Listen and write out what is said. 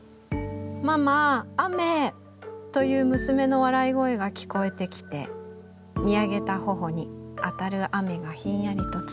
『ママー雨ー！』という娘の笑い声が聞こえてきて見上げた頬に当たる雨がひんやりと冷たかった」。